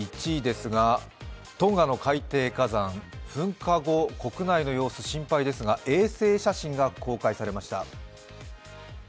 １位ですが、トンガの海底火山、噴火後、国内の様子心配ですが、衛星写真が公開されました。